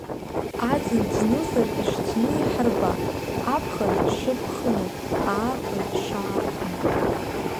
Аӡын ӡнызар ишӡыну иҳарба, аԥхын шыԥхыну, ааԥын шааыԥну.